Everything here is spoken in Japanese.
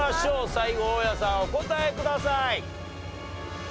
最後大家さんお答えください。